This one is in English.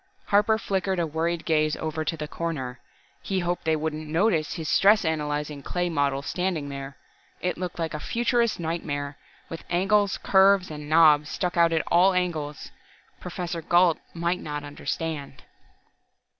Harper flickered a worried glance over to the corner. He hoped they wouldn't notice his stress analyzing clay model standing there. It looked like a futurist's nightmare, with angles, curves and knobs stuck out at all angles. Professor Gault might not understand....